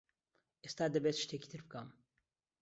ئێستا دەبێت شتێکی تر بکەم.